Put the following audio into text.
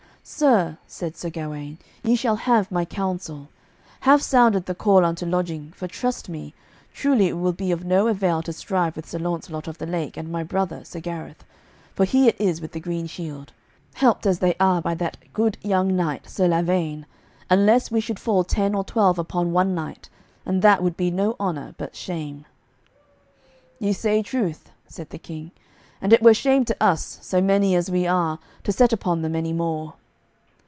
"Sir," said Sir Gawaine, "ye shall have my counsel. Have sounded the call unto lodging, for, trust me, truly it will be of no avail to strive with Sir Launcelot of the Lake and my brother, Sir Gareth, for he it is with the green shield, helped as they are by that good young knight, Sir Lavaine, unless we should fall ten or twelve upon one knight, and that would be no honour, but shame." "Ye say truth," said the King, "and it were shame to us, so many as we are, to set upon them any more."